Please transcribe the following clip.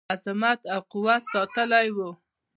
عظمت او قوت ساتلی وو.